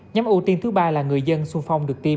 nhóm ưu tiên thứ ba là người dân xung phong được tiêm